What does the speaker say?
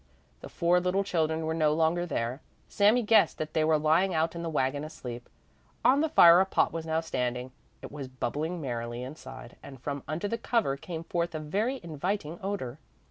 The four little children were no longer there. Sami guessed that they were lying out in the wagon asleep. On the fire a pot was now standing. It was bubbling merrily inside and from under the cover came forth a very inviting odor.